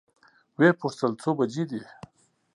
وې پوښتل څو بجې دي؟